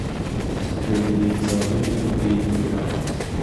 Схопив її за обидві руки й потяг.